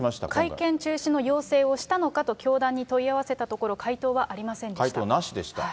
会見中止の要請をしたのかという教団に問い合わせたところ、回答なしでした。